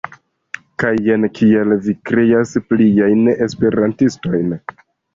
Kaj jen kiel vi kreas pliajn esperantistojn.